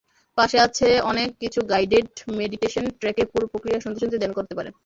পাশে আছে অনেক কিছুগাইডেড মেডিটেশন ট্র্যাকে পুরো প্রক্রিয়া শুনতে শুনতে ধ্যান করতে পারেন।